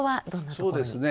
そうですね。